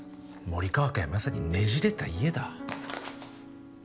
森川家はまさに『ねじれた家』だ。